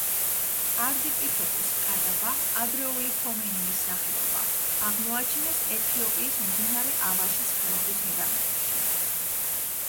არდიპითეკუს კადაბა, ადრეული ჰომინინის სახეობა, აღმოაჩინეს ეთიოპიის მდინარე ავაშის ხეობის მიდამოებში.